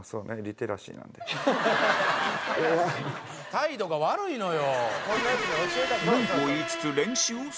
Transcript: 態度が悪いのよ！